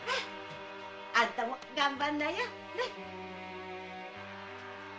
あんたも頑張んなよ！ね？